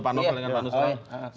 pak novel dengan pak nusron